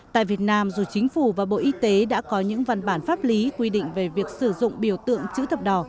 tại việt nam dù chính phủ và bộ y tế đã có những văn bản pháp lý quy định về việc sử dụng biểu tượng chữ thập đỏ